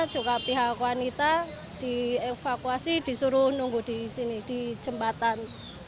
juga pihak wanita dievakuasi disuruh nunggu di sini di jembatan